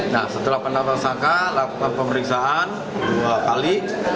nah setelah penetapan tersangka lakukan pemeriksaan dua kali